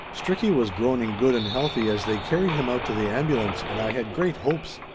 Stricky was groaning good and healthy as they carried him out to the am bulance, and I had great hopes.